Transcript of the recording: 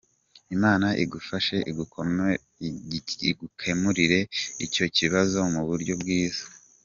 Imana igufashe igukemurire icyo kibazo mu buryo bwiza .